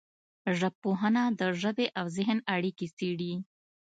ژبارواپوهنه د ژبې او ذهن اړیکې څېړي